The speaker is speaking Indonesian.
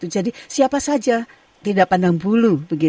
jadi siapa saja tidak pandang bulu